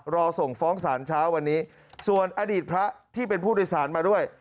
รอส่งฟ้องศาลเช้าวันนี้ส่วนอดีตพระที่เป็นผู้โดยสารมาด้วย